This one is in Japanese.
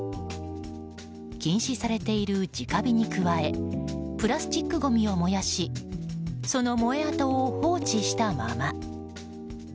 禁止されている直火に加えプラスチックごみを燃やしその燃え跡を放置したまま。